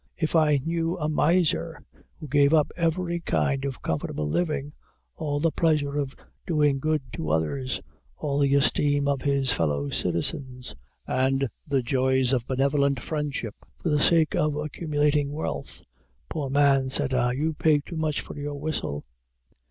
If I knew a miser, who gave up every kind of comfortable living, all the pleasure of doing good to others, all the esteem of his fellow citizens, and the joys of benevolent friendship, for the sake of accumulating wealth, Poor man, said I, you pay too much for your whistle.